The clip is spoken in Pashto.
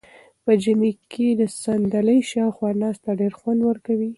په ژمي کې د صندلۍ شاوخوا ناسته ډېر خوند ورکوي.